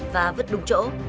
và vứt đúng chỗ